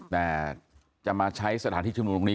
แต่จะมาใช้สถานที่ชุมนุมตรงนี้